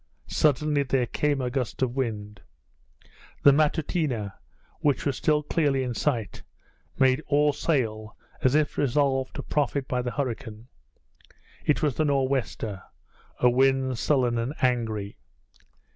Suddenly there came a gust of wind. The Matutina, which was still clearly in sight, made all sail, as if resolved to profit by the hurricane. It was the nor' wester, a wind sullen and angry.